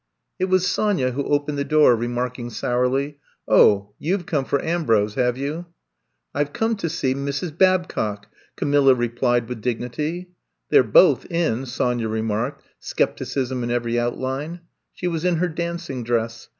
It was Sonya who opened the door, re marking sourly : *^0h, you Ve come for Ambrose, have you? I 've come to see Mrs. Bahcock/^ Ca milla replied, with dignity. They 're both in,'* Sonya remarked, skepticism in every outline. She was in her dancing dress.